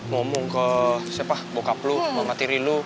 ngomong ke siapa bokap lu banga tiri lu